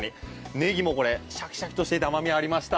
ネギもこれシャキシャキとして甘味がありました。